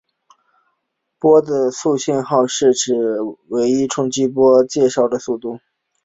波的讯号速度是指一脉冲波行经介质的速度。